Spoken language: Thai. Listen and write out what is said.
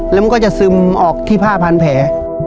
แล้วมันก็จะซึมออกที่ผ้าพันแผล